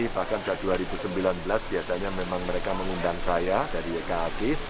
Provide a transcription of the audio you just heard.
bahkan sejak dua ribu sembilan belas biasanya memang mereka mengundang saya dari ykad